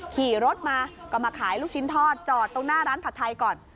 ขี่รถมาก็มาขายลูกชิ้นทอดจอดตรงหน้าร้านผัดไทยก่อน